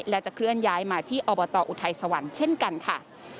และจะเคลื่อนย้ายมาที่อบตอุทัยสวรรค์เช่นกันค่ะ